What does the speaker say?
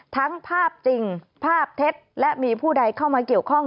ทั้งภาพจริงภาพเท็จและมีผู้ใดเข้ามาเกี่ยวข้อง